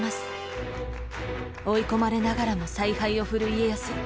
追い込まれながらも采配を振る家康。